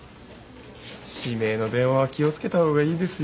指名の電話は気を付けた方がいいですよ。